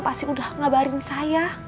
pasti udah ngabarin saya